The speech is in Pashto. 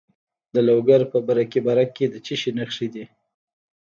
د لوګر په برکي برک کې د څه شي نښې دي؟